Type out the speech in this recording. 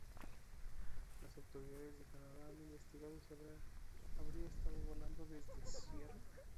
Las autoridades de Canadá han investigado si habría estado volando desde St.